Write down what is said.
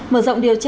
mở rộng điều tra